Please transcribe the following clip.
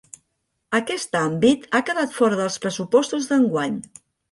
Aquest àmbit ha quedat fora dels pressupostos d'enguany.